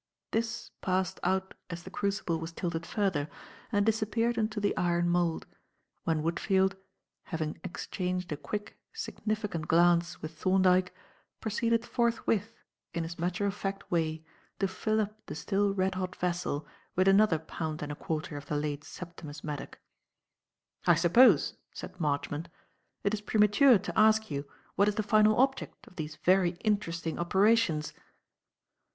This passed out as the crucible was tilted further, and disappeared into the iron mould; when Woodfield, having exchanged a quick, significant glance with Thorndyke, proceeded forthwith, in his matter of fact way to fill up the still red hot vessel with another pound and a quarter of the late Septimus Maddock. "I suppose," said Marchmont, "it is premature to ask you what is the final object of these very interesting operations?"